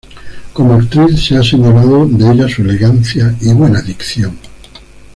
Como actriz se ha señalado de ella su elegancia y buena dicción.